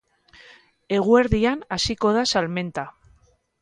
Eguerdian hasiko da salmenta.